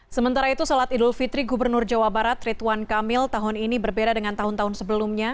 sementara itu sholat idul fitri gubernur jawa barat rituan kamil tahun ini berbeda dengan tahun tahun sebelumnya